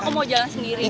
aku mau jalan sendiri